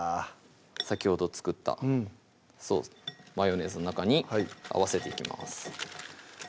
先ほど作ったソースマヨネーズの中に合わせていきます